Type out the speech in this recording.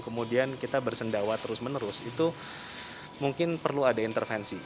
kemudian kita bersendawa terus menerus itu mungkin perlu ada intervensi